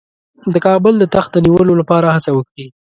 د کابل د تخت د نیولو لپاره هڅه وکړي.